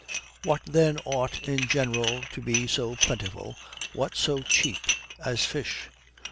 What then ought in general to be so plentiful, what so cheap, as fish?